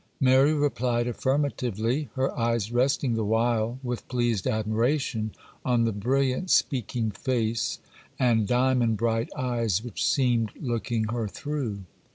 Mary replied affirmatively, her eyes resting the while, with pleased admiration, on the brilliant speaking face and diamond bright eyes which seemed looking her through.